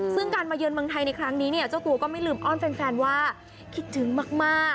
ซึ่งการมาเยือนเมืองไทยในครั้งนี้เนี่ยเจ้าตัวก็ไม่ลืมอ้อนแฟนว่าคิดถึงมาก